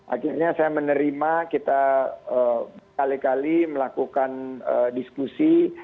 akhirnya saya menerima kita berkali kali melakukan diskusi